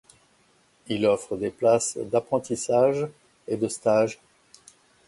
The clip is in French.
Il offre des places d’apprentissages et de stage.